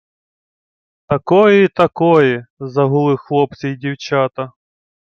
— Такої! Такої! — загули хлопці й дівчата.